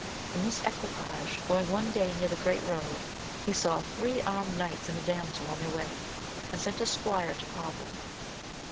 In this equipage going one day near the great road, he saw three armed knights and a damsel on their way, and sent a squire to call them.